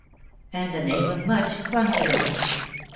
" And the name of Much clung to him.